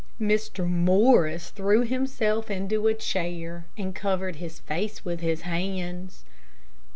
Mr. Morris threw himself into a chair and covered his face with his hands.